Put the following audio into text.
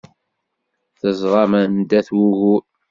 Teẓram anda-t wugur.